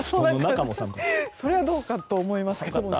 それはどうかと思いますけど。